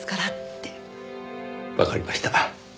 わかりました。